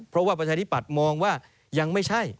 เพราะว่าประชาธิปัตย์มองว่ายังไม่ใช่